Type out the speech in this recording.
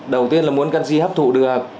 đầu tiên là muốn canxi hấp thụ được